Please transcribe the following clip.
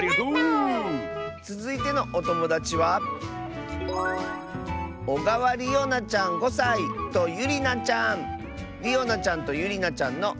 つづいてのおともだちはりおなちゃんとゆりなちゃんの。